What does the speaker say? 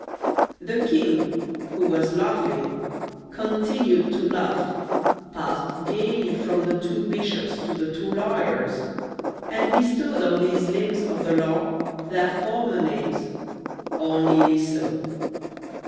The king, who was laughing, continued to laugh, passed gayly from the two bishops to the two lawyers, and bestowed on these limbs of the law their former names, or nearly so.